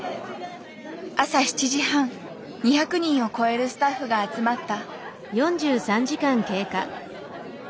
朝７時半２００人を超えるスタッフが集まった。